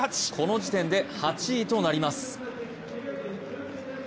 この時点で８位となります。